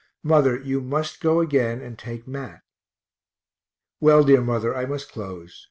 Mother, you must go again, and take Mat. Well, dear mother, I must close.